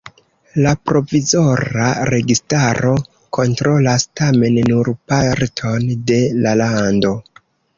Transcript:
La provizora registaro kontrolas tamen nur parton de la lando.